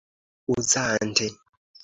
uzante